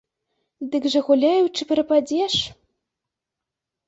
Дык жа гуляючы прападзеш.